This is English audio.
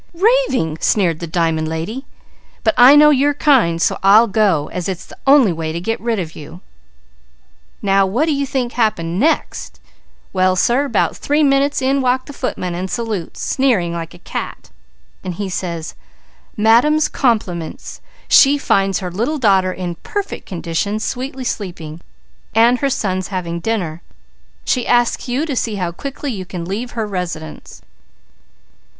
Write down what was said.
"'Raving!' sneered the dimun lady. 'But I know your kind so I'll go, as it's the only way to get rid of you.' "Now what do you think happened next? Well sir, 'bout three minutes in walked the footman and salutes, sneering like a cat, and he said: 'Madam's compliments. She finds her little daughter in perfect condition, sweetly sleeping, and her sons having dinner. She asks you to see how quickly you can leave her residence.'